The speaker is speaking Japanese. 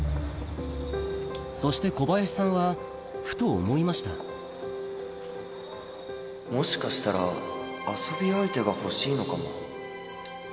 そして小林さんはふと思いましたもしかしたら遊び相手が欲しいのかも